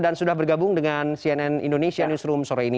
dan sudah bergabung dengan cnn indonesia newsroom sore ini